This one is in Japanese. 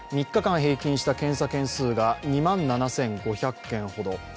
３日間平均した検査件数が２万７５００件ほど。